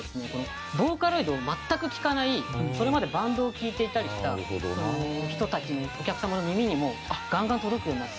ボーカロイドを全く聴かないそれまでバンドを聴いていたりした人たちにお客様の耳にもガンガン届くようになって。